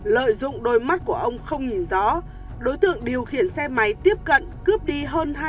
lợi dụng đôi mắt của ông không nhìn rõ đối tượng điều khiển xe máy tiếp cận cướp đi hơn hai tỷ đồng